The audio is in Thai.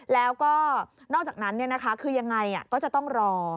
แล้วก็นอกจากนั้นคือยังไงก็จะต้องรอ